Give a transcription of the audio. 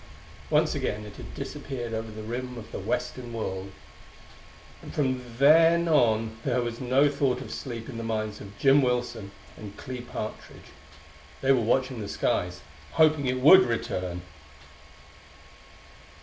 Once again it had disappeared over the rim of the western world and from then on there was no thought of sleep in the minds of Jim Wilson and Clee Partridge. They were watching the skies, hoping it would return.